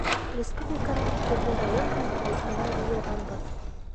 Республиканың төрлө район һәм ҡалаһынан йыйылғанбыҙ.